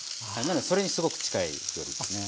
それにすごく近い料理ですね。